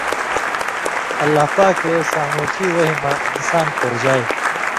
اللہ پاکے سامُوٹھیۡ وحی مہ انسان پورژائ